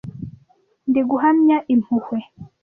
Ndi guhamya impuhwe,